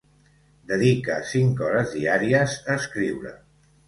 Dedica cinc hores diàries a escriure.